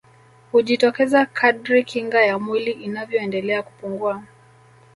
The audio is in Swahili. Hujitokeza kadri kinga ya mwili inavyoendelea kupungua